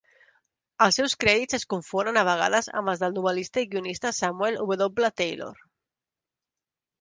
Els seus crèdits es confonen a vegades amb els del novel·lista i guionista Samuel W. Taylor.